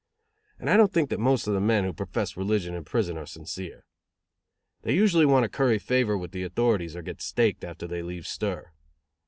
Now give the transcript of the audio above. And I don't think that most of the men who profess religion in prison are sincere. They usually want to curry favor with the authorities, or get "staked" after they leave stir.